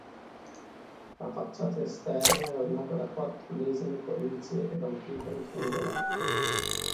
La facciata esterna è ornata da quattro lesene corinzie e da un timpano triangolare.